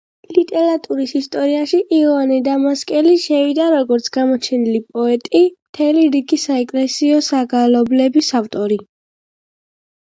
ლიტერატურის ისტორიაში იოანე დამასკელი შევიდა როგორც გამოჩენილი პოეტი, მთელი რიგი საეკლესიო საგალობლების ავტორი.